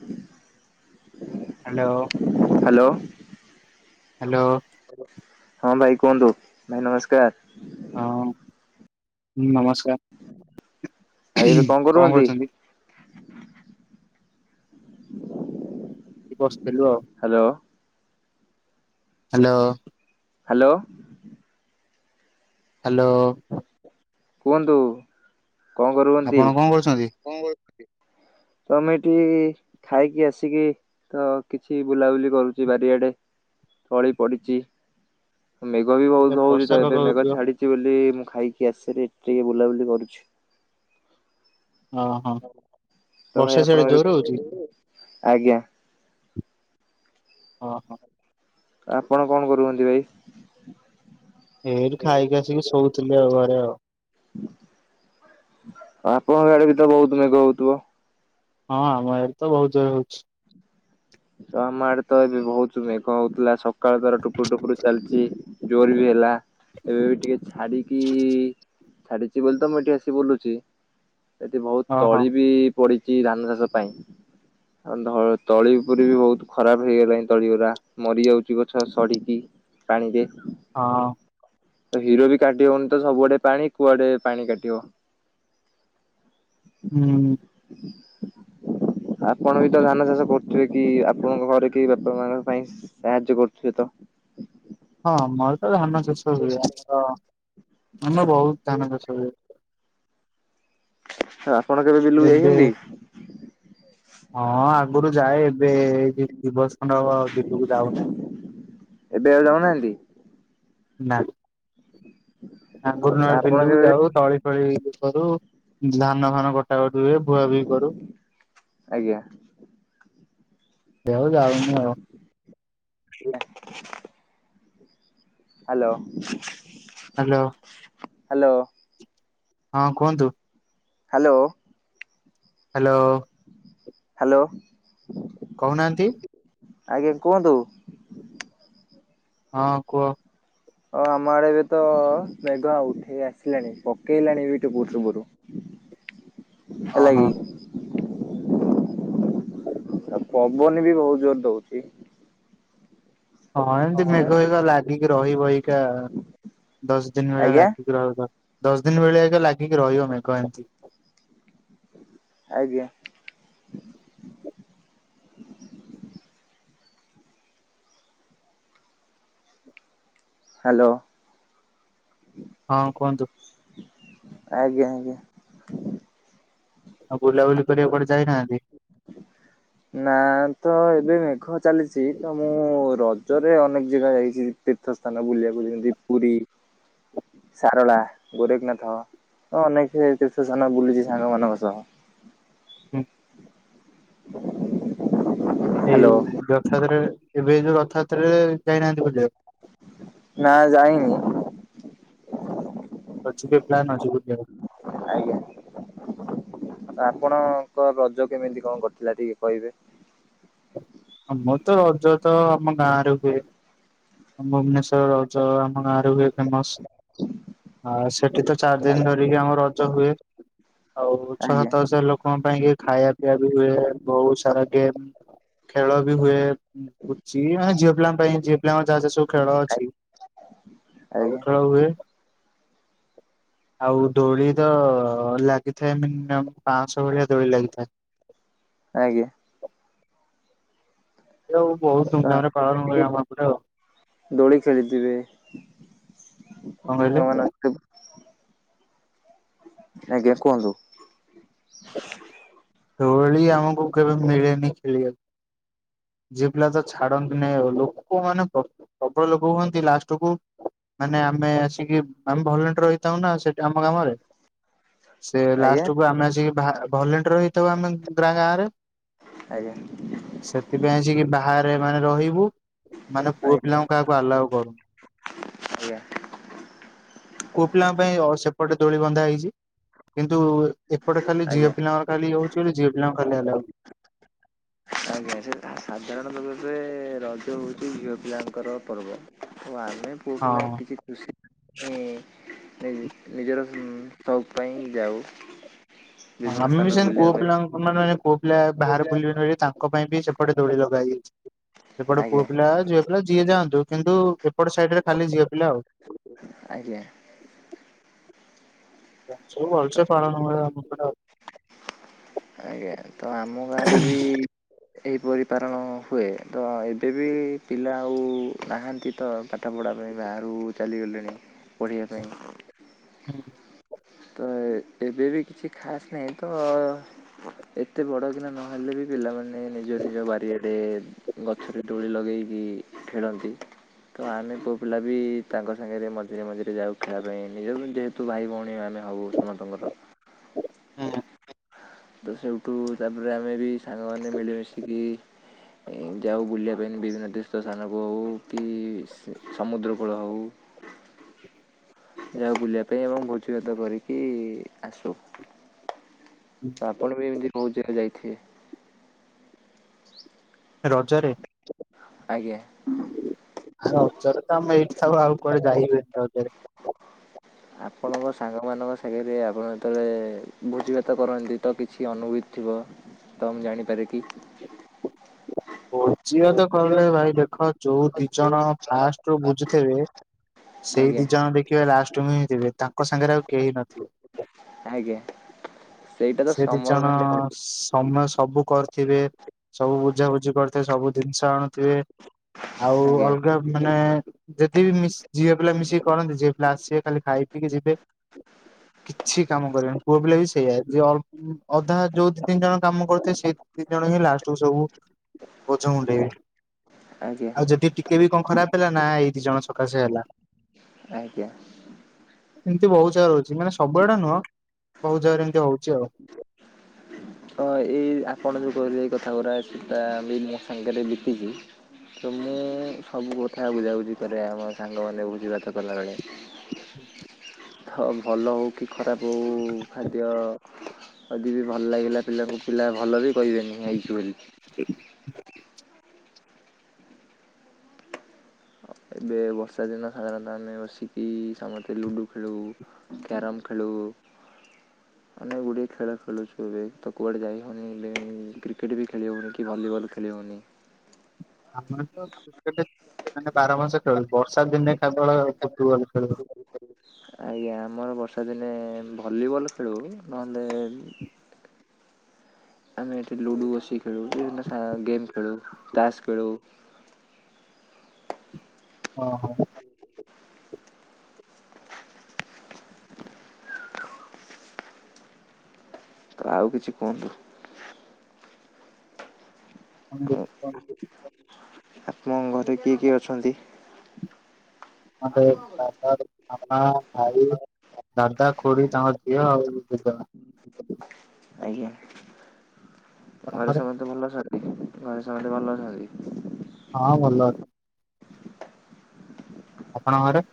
ହୁ hello hello. ହଁ ଭାଇ କୁହନ୍ତୁ ଭାଇ ନମସ୍କାର। ହଁ ନମସ୍ କଣ ଭାଇ ଏବେ କଣ କରୁଛନ୍ତି? ଏଇଠି ବସିଥିଲୁ ଆଉ। Hello hello. ହ୍ୟାଲୋ। ହ୍ୟାଲୋ। କୁହନ୍ତୁ କଣ କରୁ ହନ୍ତି? ଆପଣ କଣ କରୁଛନ୍ତି? ତ ମୁଁ ଏଠି ଖାଇକି ଆସିକି ତ କିଛି ବୁଲାବୁଲି କରୁଛି ବାରିଆଡେ। ତଳି ପଡିଛି ମେଘ ବି ଏ ବହୁତ ହଉଛି ବର୍ଷା ତ ପାଗ ଏବେ ମେଘ ହଉଥିବ ଛାଡିଛି ବୋଲି ମୁଁ ଖାଇକି ଆସିରି, ଟିକେ ବୁଲାବୁଲି କରୁଛି। ହଁ ହଁ ବର୍ଷା ସିଆଡେ ଜୋର ହଉଛି ଆଜ୍ଞା। [inaudible] ହଁ, ହଁ। ଆପଣ କଣ କରୁଅନ୍ତି ଭାଇ? ଏଇଠି ଖାଇି ଆସିକି ଶୋଉଥିଲି, ଆଉ ଘରେ ଆଉ। ଆପଣଙ୍କ ଆଡେ ବି ତ ବହୁତ ମେଘ ହଉଥିବ! ହଁ ଆମ ଆଡ଼େ ତ ବହୁତ ଜୋର ହଉଛି। ଆମ ଆଡେ ତ ଏବେ ବହୁତ ମେଘ ହଉଥିଲା। ସକାଳ ତାର ଟୁପର ଟୁପୁ ଚାଲଚି, ଜୋର ବି ହେଲା। ଏବେବି ଟିକେ ଛାଡିକି-ଇ, ଛାଡିଛି ବୋଲି ତ ମୁଁ ଏଠିକି ଆସି ବୁଲୁଛି। ଏଠି ବହୁତ ହଁ ହଁ ତଳି ବି ପଡିଛି, ଧାନ ଚାଷ ପାଇଁ ଆ ଧ ତଳି ପୁରୀ ବି ବହୁତ ଖରାପ ହେଇଗଲାଇଁ ତଳିଗୁରା। ମରି ଯାଉଛି ଗଛ ସଢିକି ପାଣିରେ। ହଁ। ହୀର ବି କାଟିହଉନି ତ ସବୁଆଡେ ପାଣି, କୁଆଡେ ପାଣି କାଟିବ। [inaudible] ହୁଁ। ଆପଣ ବି ତ ଧାନ ଚାଷ କରୁ ଟ୍ରେ କି ଆପଣଙ୍କ ଘରେ କେହି ବାପା ମାଁ ଙ୍କ ପାଇଁ ସାହାଯ୍ୟ କରୁଥିବେ ତ? ହଁ, ମୋର ତ ଧାନ ଚାଷ ହୁଏ। ଆମର, ଆମର ବହୁତ ଧାନ ଚାଷ ହୁଏ। ଆପଣ କେବେ ବିଲୁକୁ ଏବେ ଯାଇଛନ୍ତି? ହଁ, ଆଗରୁ ଯାଏ। ଏବେ ଦି ବର୍ଷ ଖଣ୍ଡ ହବ, ବିଲୁକୁ ଯାଉନାହିଁ। ଏବେ ଆଉ ଯାଉନାହାଁନ୍ତି? ନା, ଆଙ୍ଗରୁ ନହେଲ ଆପଣ ବିଲୁକୁ କେବେ ଯାଉ। ତଳି ଫଳି- କରୁ। ଧାନ ଫାନ କଟାକଟି ହୁଏ। ଭୁଆ ଭୁହି କରୁ। ଆଜ୍ଞା ଦେ ଆଉ ଯାଉନି ଆଉ। ହ୍ୟାଲୋ! ହାଲୋ! ହାଲୋ! ହଁ, କୁହନ୍ତୁ। ହ୍ୟାଲୋ! ହାଲୋ! ହାଲୋ! କହୁନାହାଁନ୍ତି? ଆଜ୍ଞା, କୁହନ୍ତୁ। ହଁ, କୁହ। ଓ ଆମ ଆଡେ ଏବେତ-ଅ, ମେଘ ଆଉ ଉଠେଇ ଆସିଲାଣି। ପକେଇଲାଣି ବି ଟୁପୁର ଟୁପୁର ଓହୋ। ହେଲାକି। ଆଉ ପବନ ବି ବହୁତ ଜୋର ଦଉଚି। ହଁ, ଏମତି ମେଘ ହେଇକା ଲାଗିକି ରହିବ ଅଇକା-ଆ। ଦଶ ଦିନ ଭଳିଆ ଆଜ୍ଞା ଲାଗିକି ରହିବ। ଦଶ ଦିନ ଭଳିଆ ଅଇକା ଲାଗିକି ରହିବ, ମେଘ ଏନ୍ତି। ଆଜ୍ଞା! ହାଲୋ! ହଁ କୁହନ୍ତୁ ଆଜ୍ଞା! ଆଜ୍ଞା! ଆଉ ବୁଲାବୁଲି କରିବାକୁ କୁଆଡେ ଯାଇନାହାଁନ୍ତି। ନା, ତ ଏବେ ମେଘ ଚାଲିଚି। ତ ମୁଁ ର ଜରେ ଅନେକ ଜେଗା ଯାଇଚି ତୀର୍ଥ ସ୍ଥାନ ବୁଲିବାକୁ ଯେମତି! ପୁରୀ, ସାରଳା ଗୋରେଖ୍ ନାଥ। ଅ ଅନେକେ ତୀର୍ଥ ସାନ ବୁଲିଚି ସାଙ୍ଗମାନଙ୍କ ସହ। ହୁଁ। ଏଇ ହ୍ୟାଲୋ ରଥଯାତ୍ରାରେ, ଏବେ ଯୋଉ ରଥଯାତ୍ରାରେ ଯାଇନାହାନ୍ତି ବୋଧେ? ନା ଯାଇନି। ଅଛି ଟିକେ ପ୍ଲାନ୍ ଅଛି ବୁଲିଆକୁ। ଆଜ୍ଞା ଆପଣଙ୍କ ରଜ କେମିତି କଣ କଟିଲା, ଟିକେ କହିବେ? ଆମର ତ ରଜ ତ ଆମ ଗାଁରେ ହୁଏ। ଭୁବନେଶ୍ଵର ରଜ ଆମ ଗାଁରେ ହୁଏ ଫେମସ୍। ଆ ସେଠି ତ ଚାରି ଦିନ ଧରିକି ଆମ ରଜ ହୁଏ। ଆଉ ଛଅ ଆଜ୍ଞା ସାତ ହଜାର ଲୋକଙ୍କ ପାଇଁ କି ଖାଇବା ପିଇଆ ବି ହୁଏ। ବହୁତ ସାରା ଗେମ୍ ଖେଳ ବି ହୁଏ, ପୁଚି ମାନେ ଝିଅ ପିଲାଙ୍କ ପାଇଁ, ଯେ ଯାହା ସେ ସବୁ ଖେଳ ଅଛି, ସବୁ ଆଜ୍ଞା ଖେଳ ହୁଏ। [unintelligible] ଆଉ ଦୋଳି ତ ଲାଗିଥାଏ। ମିନିମମ୍ ପାଁଶହ ଭଳିଆ ଦୋଳି ଲାଗିଥାଏ। ଆଜ୍ଞା ଆଉ ବହୁତ ତ ଧୁମଧାମ ରେ ଆପଣ ପାଳନ ହୁଏ ଟିକେ ଆମ ଏପଟେ ଆଉ ଦୋଳି ଖେଳିଥିବେ? କଣ କହିଲେ ସାଙ୍ଗମାନ ଆଜ୍ଞା, କୁହନ୍ତୁ? ଦୋଳି ଆମକୁ କେବେ ମିଳେନି ଖେଳିବାକୁ। ଝିଅ ପିଲା ତ ଛାଡନ୍ତି। ନାଇଁ ଆଉ ଲୋକମାନେ ପ୍ରବଳ ଲୋକ ହୁଅନ୍ତି। ଲାଷ୍ଟକୁ ମାନେ ଆମେ ଆସିକି, ଆମେ ଭଲ୍ୟୁଣ୍ଟର ହେଇଥାଉ ନା ସେଠି ଆମ ଗ୍ରାମରେ। ସେ ଆଜ୍ଞା ଲାଷ୍ଟକୁ ଆମେ ଆସିକି ଭା-ଭଲ୍ୟୁଣ୍ଟର ହେଇଥାଉ ଆମେ ଗାଁ ଗାଁ ରେ ଆଜ୍ଞା। ସେଥିପାଇଁ ଆସିକି ବାହାରେ ମାନେ ରହିବୁ। ମାନେ ଆଜ୍ଞା ପୁଅ ପିଲାଙ୍କୁ କାହାକୁ ଆଲାଉ କରୁନୁ। ଆଜ୍ଞା। ପୁଅ ପିଲାଙ୍କ ପାଇଁ ର ସେପଟେ ଦୋଳି ବନ୍ଧା ହେଇଚି। କିନ୍ ତୁ ଏପଟେ ଖାଲି ଝିଅ ଆଜ୍ଞା ପିଲାଙ୍କ ର ଖାଲି ହଉଚି ବୋଲି ଝିଅ ପିଲାଙ୍କୁ ଖାଲି ଆଲାଉ ଆଜ୍ଞା। ସେ ସାଧାରଣ ଲୋକ ଏବେ ରଜ ହଉ ଏଠି ଝିଅ ପିଲାଙ୍କର ପର୍ବ। ଆଉ ଆମେ ପୁଅ ପିଲା ଟିକେ ଖୁସି ହୁଁ ନି-ନିଜର ସଉକ ପାଇଁ ଯାଉ। ହଁ ବିଭିନ୍ନ ଆମେ ବି ସ୍ଥାନ ସେମତି ବୁଲିବା ପୁଅ ପିଲା ମାନେ ପୁଅ ପିଲା ବାହାର ପାଇଁ ବୁଲିବେନି ବୋଲି ତାଙ୍କ ପାଇଁ ବି ସେପଟେ ଦୋଳି ଲଗା ହେଇଚି। ସେପଟେ ପୁଅ ଆଜ୍ଞା ପିଲା ଝିଅ ପିଲା ଯିଏ ଯାଆନ୍ତୁ। କିନ୍ତୁ ଏପଟ ସାଇଡ ରେ ଖାଲି ଝିଅ ପିଲା ଆଉ। ଆଜ୍ଞା ପଛକୁ ଭଲସେ ପାଳନ କରିବା କଥା। ଆଜ୍ଞା। ତ ଆମ ଗାଁରେ ବି ଏହିପରି ପାାରଣ ହୁଏ। ତ ଏବେ ବି ପିଲା ଆଉ ନାହାନ୍ତି ତ। ପାଠ ପଢ଼ା ପାଇଁ ବାହାରୁ ଚାଲିଗଲେଣି ପଢ଼ିବା ପାଇଁ। ହୁଁ। ତ ଏବେ ବି କିଛି ଖାସ୍ ନାହିଁ ତ, ଏତେ ବଡ଼ କିନା ନହେଲେ ବି ପିଲାମାନେ ନିଜ, ନିଜ ବାରିଆରେ ଗଛରେ ଦୋଳି ଲଗେଇକି ଖେଳନ୍ତି। ତ ଆମେ ପୂଅ ପିଲା ବି ତାଙ୍କ ସାଙ୍ଗରେ ମଝିରେ, ମଝିରେ ଯାଉ ଖେଳିବା ପାଇଁ। ନିଜ ଯେହେତୁ ଭାଇ ଭଉଣୀ ଆମେ। ଆଉ ସମସ୍ତଙ୍କର। ହୁଁ। ତ ସେଇଠୁ, ତାପରେ ଆମେ ବି ସାଙ୍ଗମାନେ ମିଳିମିଶିକି ଏ ଯାଉ ବୁଲିବା ପାଇଁ। ବିଭିନ୍ନ ତୀର୍ଥ ସ୍ଥାନକୁ ହଉ, କି ସମୁଦ୍ର ଫୂଳ ହଉ। [inaudible] ଯାଉ ବୁଲିବା ପାଇଁ, ଏବଂ ଭୋଜି ଭାତ କରିକି ଆସୁ। ତ ଆପଣ ବି ଏମିତି ବୋହୁତ୍ ଜାଗା ଯାଇଥିବେ। ରଜରେ। ଆଜ୍ଞା। ରଜରେ ତ ଆମେ ଏଇଠି ଥାଉ। ଆଉ କୁଆଡେ ଯାଇ ହୁଏନି ରଜରେ। ଆପଣଙ୍କ ସାଙ୍ଗମାନଙ୍କ ସାଙ୍ଗରେ ଆପଣ ଯେତେବେଳେ ଭୋଜିଭାତ କରନ୍ତି ତ କିଛି ଅନୁଭୂତି ଥିବ? ତ ମୁଁ ଜାଣିପାରେ କି? ଭୋଜି ଭାତ କଲେ ଭାଇ ଦେଖ ଯୋଉ ଦିଜଣ ଫାଷ୍ଟରୁୁ ବୁଝୁଥିବେ ସେଇ ଆଜ୍ଞା ଦି ଜଣ ଦେଖିବ ଲାଷ୍ଟ୍ କୁ ହିଁ ଥିବେ ତାଙ୍କ ସାଙ୍ଗରେ ଆଉ କେହି ନଥିବେ। ଆଜ୍ଞା ସେଇଟା ତ ସେ ଦି ସମସ୍ତଙ୍କ ଜଣ ସାଙ୍ଗରେ ଘଟେ ସମୟ ସବୁ କର ଥିବେ ସବୁ ବୁଝାବୁଝି କରିଥିବେ ସବୁ ଜିନିଷ ଆଣୁଥିବେ ଆଉ ଆଜ୍ଞା ଅଲଗା ମାନେ ଯଦିବି ମି ଝିଅ ପିଲା ମିଶିକି କରନ୍ତି ଝିଅ ପିଲା ଆସିବେ ଖାଲି ଖାଇ ପିଇକି ଯିବେ। କିଛି କାମ କରିବେନି ପୁଅ ପିଲା ବି ସେଇଆ ଯ ଅଧା ଯୋଉ ଦି ତିନି ଜଣ କାମ କରୁଥିବେ ସେଇ ଦି ତିନି ଜଣ ହିଁ ଲାଷ୍ଟ୍ କୁ ସବୁ ବୋଝ ମୁଣ୍ଡେଇବେ। ଆଜ୍ଞା ଆଉ ଯଦି ଟିକେ ବି କଣ ଖରାପ ହେଲା ନା ଏଇ ଦି ଜଣ ସକାଶେ ହେଲା। ଆଜ୍ଞା। ଏମିତି ବହୁତ୍ ଜାଗା ରେ ହଉଛି ମାନେ ସବୁଆଡ଼େ ନୁହଁ ବହୁତ୍ ଜାଗାରେ ଏମିତି ହଉଛି ଆଉ। ହଁ ଏଇ ଆପଣ ଯୋଉ କହିଲେ ଏଇ କଥା ଗୁଡ଼ା ସେଟା ବି ମୋ ସାଙ୍ଗରେ ବିତିଚି। ତ ମୁଁ ସବୁ କଥା ବୁଝାବୁଝି କରେ ଆମ ସାଙ୍ଗ ମାନେ ଭୋଜି ଭାତ କଲାବେେଳେ। [unintelligible] [unintelligible] ଭଲ ହଉ କି ଖରାପ ହଉ ଖାଦ୍ୟ ଯଦି ବି ଭଲ ଲାଗିଲା। ପିଲାକୁ ପିଲା ଭଲ ବି କହିବେନି ହେଇଚି ବୋଲି। ଏବେ ବର୍ଷା ଦିନ ସାଧାରଣତଃ ଆମେ ବସିକି ସମସ୍ତେ ଲୁଡ଼ୁ ଖେଳୁ କ୍ୟାରମ ଖେଳୁ। ହ ଅନେକ ଗୁଡ଼ିଏ ଖେଳ ଖେଳୁଚୁ ଏବେ ତ କୁଆଡ଼େ ଯାଇ ହଉନି କ୍ରିକେଟ୍ ବି ଖେଳି ହେଉନି କି ଭଲିବଲ୍ ଖେଳି ହଉନି। ହ ଆମେ ତ କ୍ରିକେଟ୍ ମାନେ ବାରମାସ ଖେଳୁ। ବର୍ଷା ଦିନେ କେବଳ ଫୁଟବଲ୍ ଖେଳୁ। ବର୍ଷାଦିନେ ଭଲିବଲ୍ ଖେଳୁ ନହେଲେ ଆମେ ଏଠି ଲୁଡ଼ୁ ବସି ଖେଳୁ ବିଭିନ୍ନ ଗେମ୍ ଖେଳୁ ତାସ୍ ଖେଳୁ। ଓ ହୋ। ତ ଆଉ କିଛି କୁହନ୍ତୁ। ଆଉ ଆପଣଙ୍କ ଘରେ କିଏ କିଏ ଅଛନ୍ତି? ମାନେ ଦାଦା, ବାପା, ଭାଇ। ଦାଦା ଖୁଡ଼ୀ ତାଙ୍କ ଝିଅ ଆଉ ଦି ଜଣ। ଆଜ୍ଞା ଘରେ ସମସ୍ତେ ଭଲ ଅଛନ୍ତି? ଘରେ ସମସ୍ତେ ଭଲ ଅଛନ୍ତି? ହଁ ଭଲ ଅ ଆପଣଙ୍କ ଘରେ?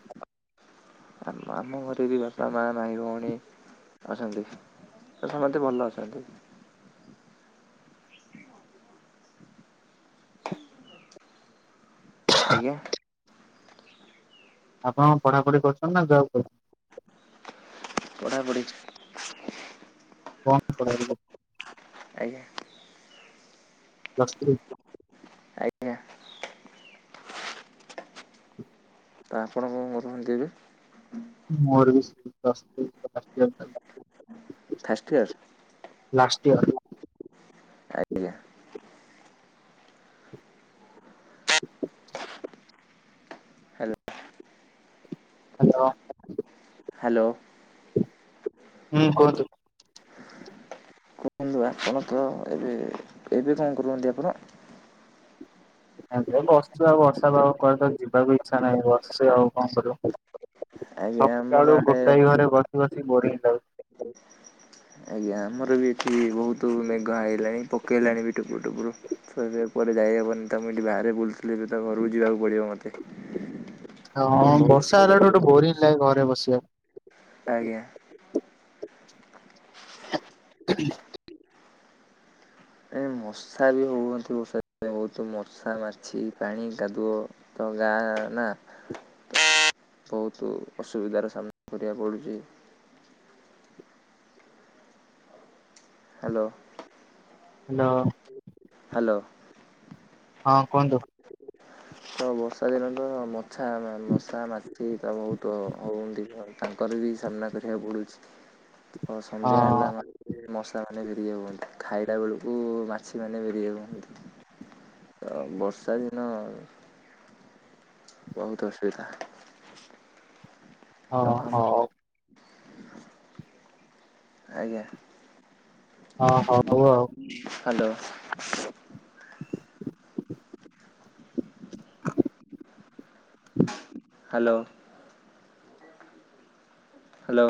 ଆମ ଆମ ଘରେ ବି ବାପା, ମା, ଭାଇ, ଭଉଣୀ। ଅଛନ୍ତି ସମସ୍ତେ ଭଲ ଅଛନ୍ତି। ଆଜ୍ଞା। ଆପଣ ପଢ଼ାପଢ଼ି କରୁଛନ୍ତି ନା ଜବ କରୁ ପଢ଼ାପଢ଼ି। କଣ ପଢ଼ାପଢ଼ି? ଆଜ୍ଞା ପ୍ଲସ୍ ଥ୍ରୀ। ଆଜ୍ଞା ତ ଆପଣ କଣ କରୁଛନ୍ତି ଏବେ? ମୋର ବି [unintelligible] ପ୍ଲସ୍ ଥ୍ରି ଫାର୍ଷ୍ଟ ଇୟର ଟା। ଫାଷ୍ଟଇୟର। Last year. ଆଜ୍ଞା ହ୍ୟାଲୋ ହ୍ୟାଲୋ। ହ୍ୟାଲୋ। ହୁଁ କୁହନ୍ତୁ। [unintelligible] ଏବେ ଏବେ କଣ କରୁଛନ୍ତି ଆପଣ? [unintelligible] ଆଉ ବର୍ଷା ପାଗ କୁଆଡ଼େ ତ ଯିବାକୁ ଇଚ୍ଛା ନାହିଁ ବସିଛି ଆଉ କଣ କରିବି। ଆଜ୍ଞା ଆମର ସକାଳୁ ଆଡେ ଗୋଟାଏ ଘରେ ବସି ବସି ବୋ଼ରିଙ୍ଗ ଯାଉଛି। ଆଜ୍ଞା ଆମର ବି ଏଠି ବହୁତ ମେଘ ଆଇଲାଣି ପକେଇଲାଣି ବି ଟୁପୁ ଟୁପରୁ ଫେରେ ପରେ ଯାଇ ବନି ତ ମୁଁ ଏଇଠି ବାହାରେ ବୁଲୁଥିଲି ତା ଘରକୁ ଯିବାକୁ ପଡିବ ମତେ। ହଁ ବର୍ଷା ବହୁତ ହେଲାଠୁ ଗୋଟେ ବୋରିଂ ଲାଗେ ଘରେ ବସିବାକୁ। ଆଜ୍ଞା। କ ଏ ମଶା ବି ହଉନାନ୍ତି ବର୍ଷା ଦିନେ। ବହୁତ ମର୍ଷା, ମାଛି, ପାଣି, କାଦୁଅ ତ ଗାଁ ନା। ବହୁତ ଅସୁବିଧାର ସାମ୍ନା କରିବାକୁ ପଡ଼ୁଛି। ହ୍ୟାଲୋ। ହ୍ୟାଲୋ। ହ୍ୟାଲୋ। ହଁ କୁହନ୍ତୁ। ତ ବର୍ଷା ଦିନ ତ ମଛା ମଶା ମାଛି ତା ବହୁତ ହୁଅନ୍ତି ଆଉ। ତାଙ୍କର ବି ସାମ୍ନା କରିବାକୁ ପଡୁଛି ଆ ହଁ ସନ୍ଧ୍ୟା ହେଲା ମାନେ ମଶ। [unintelligible] ବର୍ଷା ଦିନଉ। ବହୁତ ଅସୁବିଧା। ହଁ ତ ହଉ। ଆଜ୍ଞା। ହଁ ହଉ ଆଉ। ହ୍ୟାଲୋ। ହ୍ୟାଲୋ। ହ୍ୟାଲୋ।